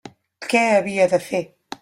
Què havia de fer?